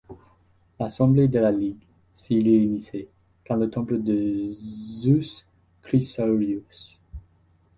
L'assemblée de la Ligue s'y réunissait, dans le temple de Zeus Chrysaorius.